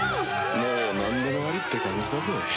もう何でもありって感じだぜ。